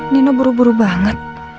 nina buru buru banget